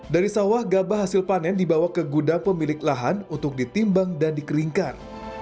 dari sawah gabah hasil panen dibawa ke gudang pemilik lahan untuk ditimbang dan dikeringkan